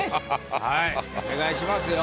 お願いしますよ。